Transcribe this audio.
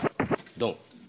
ドン。